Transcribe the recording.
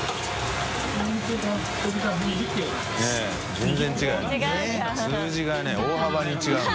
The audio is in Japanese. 全然違うよ。